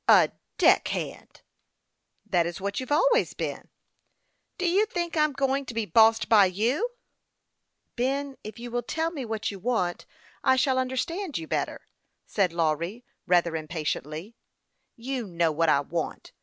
" A deck hand !"" That is what you have always been." " Do you think I'm going to be bossed by you ?"" Ben, if you will tell me just what you want, I shall understand you better," said Lawry, rather im patiently. " You know what I want.